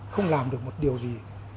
không làm được một điều gì